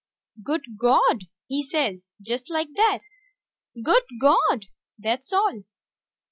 "Good Gawd!" he says, just like that: "Good Gawd!" That's all.